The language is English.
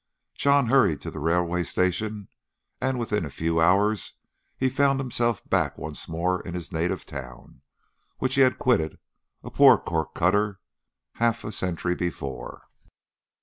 John hurried to the railway station, and within a few hours he found himself back once more in his native town, which he had quitted a poor corkcutter, half a century before.